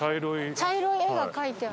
茶色い絵が描いてある。